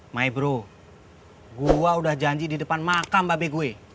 maibro gua udah janji di depan makam mba be gue